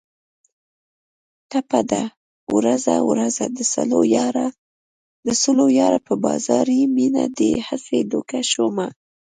ټپه ده: ورځه ورځه د سلو یاره په بازاري مینه دې هسې دوکه شومه